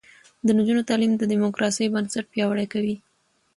د نجونو تعلیم د دیموکراسۍ بنسټ پیاوړی کوي.